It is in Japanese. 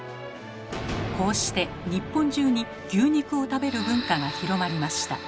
こうして日本中に牛肉を食べる文化が広まりました。